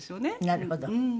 なるほど。